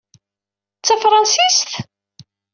D tafransist?